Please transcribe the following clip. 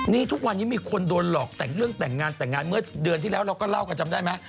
นี่ทุกวันนี้มีคนโดนหลอกแต่งเรื่องแต่งงานแต่งงานเมื่อเดือนที่แล้วเราก็เล่ากันจำได้ไหม